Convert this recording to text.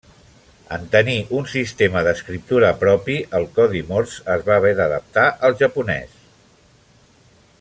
En tenir un sistema d'escriptura propi, el Codi Morse es va haver d'adaptar al japonès.